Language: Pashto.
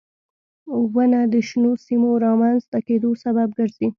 • ونه د شنو سیمو رامنځته کېدو سبب ګرځي.